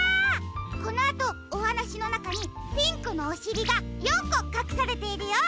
このあとおはなしのなかにピンクのおしりが４こかくされているよ。